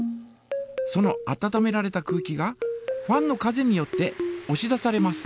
その温められた空気がファンの風によっておし出されます。